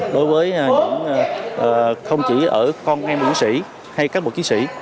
đối với những không chỉ ở con em bậc quý sĩ hay các bậc quý sĩ